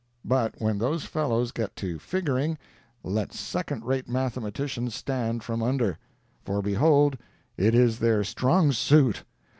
But when those fellows get to figuring, let second rate mathematicians stand from under! For behold, it is their strong suit.